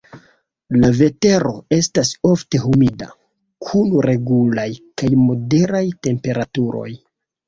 La vetero estas ofte humida, kun regulaj kaj moderaj temperaturoj.